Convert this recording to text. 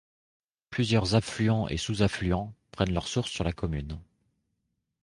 Plusieurs affluents et sous-affluents prennent leur source sur la commune.